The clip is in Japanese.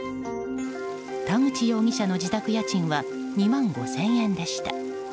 田口容疑者の自宅家賃は２万５０００円でした。